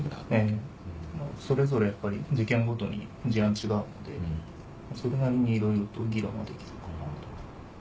それぞれやっぱり事件ごとに事案違うのでそれなりにいろいろと議論はできるかなと。